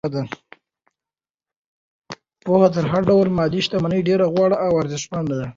پوهه تر هر ډول مادي شتمنۍ ډېره غوره او ارزښتمنه ده.